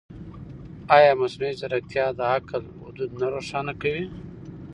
ایا مصنوعي ځیرکتیا د عقل حدود نه روښانه کوي؟